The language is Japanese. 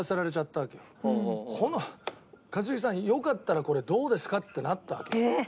この「一茂さんよかったらこれどうですか？」ってなったわけ。